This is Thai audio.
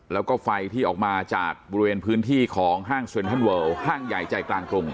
แล้วก็ไฟที่ออกมาจากบริเวณพื้นที่ของห้างเซ็นทรัลเวิลห้างใหญ่ใจกลางกรุง